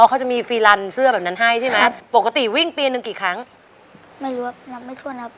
เขาจะมีฟีลันเสื้อแบบนั้นให้ใช่ไหมครับปกติวิ่งปีหนึ่งกี่ครั้งไม่รู้ว่านับไม่ถ้วนครับ